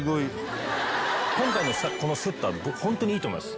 今回のこのセットはホントにいいと思います。